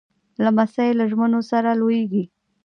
لمسی له ژمنو سره لویېږي.